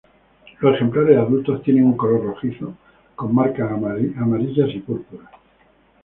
Los ejemplares adultos tienen un color rojizo, con marcas amarillas y púrpuras.